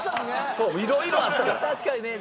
そういろいろあったから。